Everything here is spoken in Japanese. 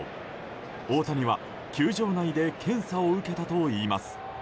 大谷は、球場内で検査を受けたといいます。